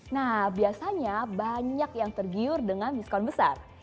nah biasanya banyak yang tergiur dengan diskon besar